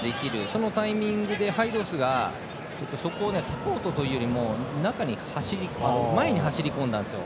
そのタイミングでハイドースがそこでサポートというよりも前に走り込んだんですよ。